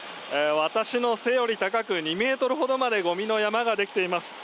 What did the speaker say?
私の背より高く、２ｍほどまでゴミの山ができています。